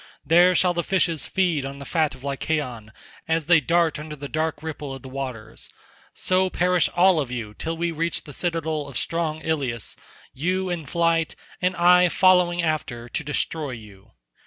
There shall the fishes feed on the fat of Lycaon as they dart under the dark ripple of the waters—so perish all of you till we reach the citadel of strong Ilius—you in flight, and I following after to destroy you.